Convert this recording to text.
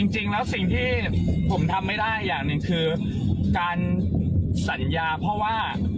จริงแล้วสิ่งที่ผมทำไม่ได้อย่างหนึ่งคือการสัญญาเพราะว่า